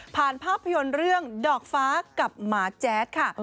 ภาพยนตร์เรื่องดอกฟ้ากับหมาแจ๊ดค่ะ